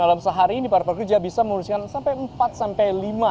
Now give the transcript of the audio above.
dalam sehari ini para pekerja bisa memusik kertas kering